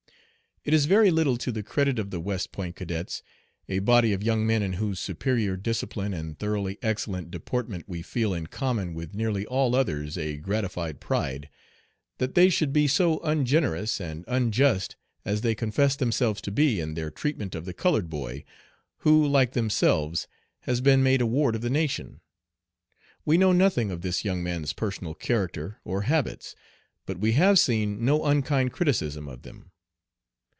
"It is very little to the credit of the West Point cadets, a body of young men in whose superior discipline and thoroughly excellent deportment we feel in common with nearly all others a gratified pride, that they should be so ungenerous and unjust as they confess themselves to be in their treatment of the colored boy, who, like themselves, has been made a ward of the nation. We know nothing of this young man's personal character or habits, but we have seen no unkind criticism of them.